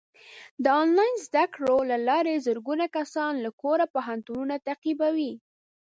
د آنلاین زده کړو له لارې زرګونه کسان له کوره پوهنتونونه تعقیبوي.